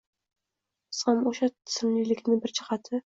Bu ham o‘sha tizimlilikning bir jihati.